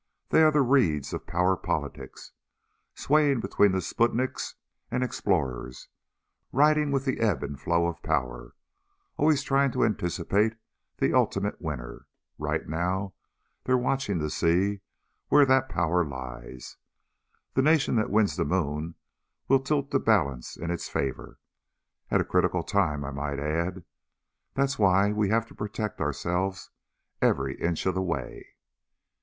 They are the reeds of power politics ... swaying between the Sputniks and Explorers, riding with the ebb and flow of power ... always trying to anticipate the ultimate winner. Right now they're watching to see where that power lies. The nation that wins the moon will tilt the balance in its favor. At a critical time, I might add. That's why we have to protect ourselves every inch of the way."